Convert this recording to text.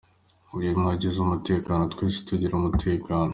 Iyo umwe agize umutekano, twese tugira umutekano.